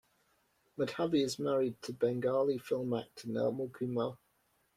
Madhabi is married to Bengali film actor Nirmal Kumar.